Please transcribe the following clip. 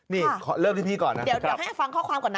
นี่เริ่มที่พี่ก่อนนะเดี๋ยวให้ฟังข้อความก่อนนะ